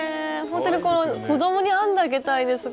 ほんとに子どもに編んであげたいです。